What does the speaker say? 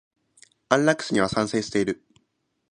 安楽死には賛成している。